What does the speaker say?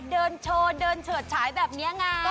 เดินโชว์เดินเฉิดใช๋แบบนี้งาน